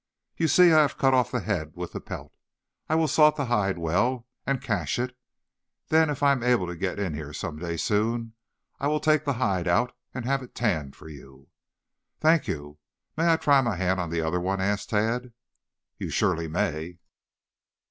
You see I have cut off the head with the pelt. I will salt the hide well and cache it, then if I am able to get in here some day soon, I will take the hide out and have it tanned for you." "Thank you. May I try my hand on the other one?" asked Tad. "You surely may."